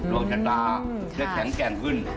ตัวชะตาได้แข็งแกร่งขึ้น